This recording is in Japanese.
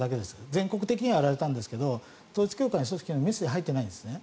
全国的にはやられたんですが統一教会の組織にメスは入っていないんですね。